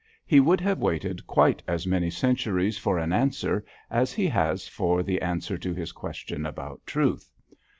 he would have waited quite as many centuries for an answer as he has for the answer to his question about Truth.